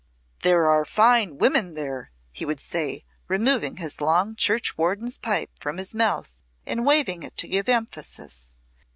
"There are fine women there," he would say, removing his long churchwarden's pipe from his mouth and waving it to give emphasis.